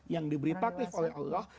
yang diberi tatif oleh allah